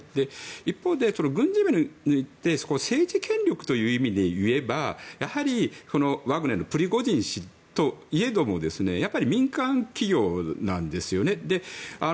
一方で、軍事面で言って政治権力という意味で言えばやはりワグネルプリゴジン氏といえどもやっぱり民間企業なんですよね。